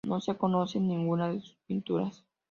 No se conoce ninguna de sus pinturas.